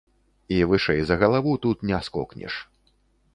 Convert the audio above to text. І вышэй за галаву тут не скокнеш.